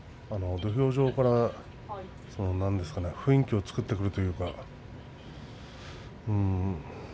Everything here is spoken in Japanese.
土俵上から雰囲気を作ってくると。